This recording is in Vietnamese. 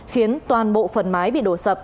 khiến toàn bộ phần máy bị đổ sập